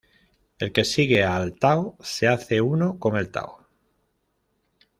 El que sigue al tao se hace uno con el tao.